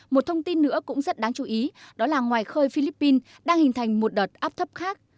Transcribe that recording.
một thông tin nữa cũng rất đáng chú ý đó là ngoài khơi philippines đang hình thành một đợt áp thấp khác